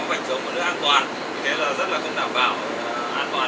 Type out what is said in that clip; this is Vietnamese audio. có vạch chống một nước an toàn thế là rất là không đảm bảo an toàn